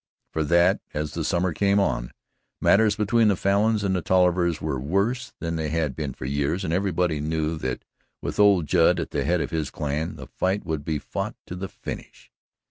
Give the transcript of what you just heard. So that, as the summer came on, matters between the Falins and the Tollivers were worse than they had been for years and everybody knew that, with old Judd at the head of his clan again, the fight would be fought to the finish.